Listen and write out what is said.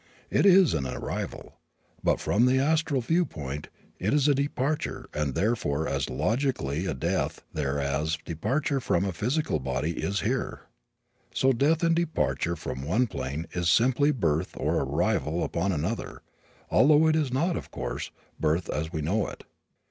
It is an arrival. But from the astral viewpoint it is a departure and therefore is as logically a "death" there as departure from a physical body is here. So death and departure from one plane is simply birth, or arrival, upon another, although it is not, of course, birth as we know it.